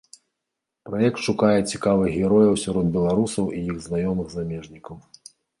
Праект шукае цікавых герояў сярод беларусаў і іх знаёмых замежнікаў.